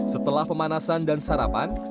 setelah pemanasan dan sarapan